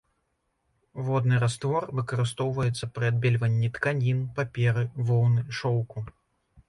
Водны раствор выкарыстоўваецца пры адбельванні тканін, паперы, воўны, шоўку.